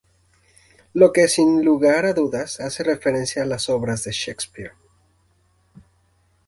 Lo que sin lugar a dudas hace referencia a las obras de Shakespeare.